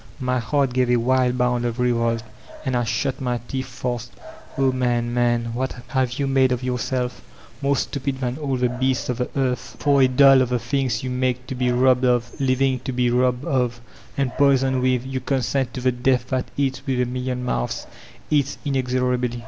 My heart gave a wild bound of revolt, and I shut my teeth fast O man, man, what have you made of your self ! More stupid than all the beasts of the earth, for m At the End op the Alley 441 dole of the things yoa make to be robbed of, living, be robbed of and poisoned with — ^you consent to the death that eats with a million mouths, eats inexorably.